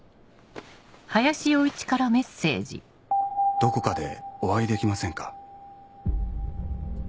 「どこかでお会いできませんか？」。